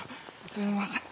すみません。